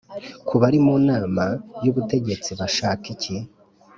ku bari mu Nama y Ubutegetsi bashaka iki